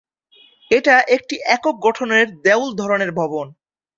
এটা একটি একক গঠনের দেউল ধরনের ভবন।